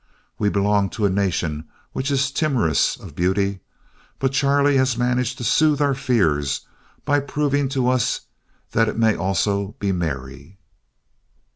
We belong to a Nation which is timorous of beauty, but Charlie has managed to soothe our fears by proving to us that it may also be merry.